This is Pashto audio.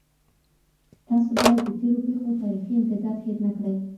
تاسو بايد د تېرو پېښو تاريخي امتداد هېر نه کړئ.